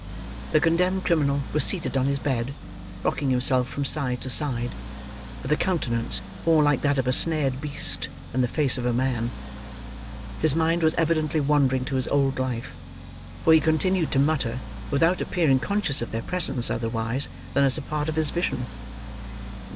The condemned criminal was seated on his bed, rocking himself from side to side, with a countenance more like that of a snared beast than the face of a man. His mind was evidently wandering to his old life, for he continued to mutter, without appearing conscious of their presence otherwise than as a part of his vision.